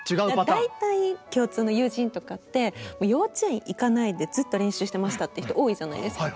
大体共通の友人とかって幼稚園行かないでずっと練習してましたって人多いじゃないですか。